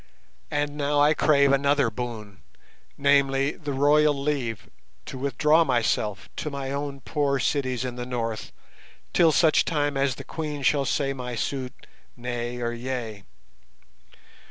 And now I crave another boon, namely, the royal leave to withdraw myself to my own poor cities in the north till such time as the Queen shall say my suit nay or yea.